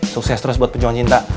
sukses terus buat pejuang cinta